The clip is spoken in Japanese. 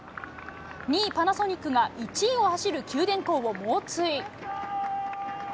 ２位パナソニックが１位を走る九電工を猛追。